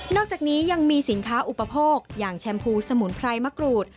อกจากนี้ยังมีสินค้าอุปโภคอย่างแชมพูสมุนไพรมะกรูด